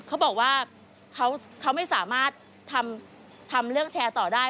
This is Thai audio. เขาบอกว่าเขาไม่สามารถทำเรื่องแชร์ต่อได้